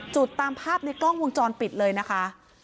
จุดตามภาพในกล้องวงจรปิดเลยนะคะ